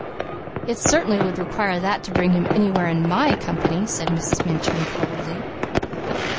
"It certainly would require that to bring him anywhere in my company," said Mrs. Minturn coldly.